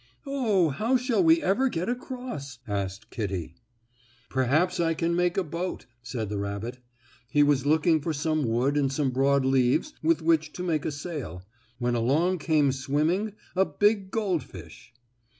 "Oh, how shall we ever get across?" asked Kittie. "Perhaps I can make a boat," said the rabbit. He was looking for some wood and some broad leaves with which to make a sail, when along came swimming a big goldfish.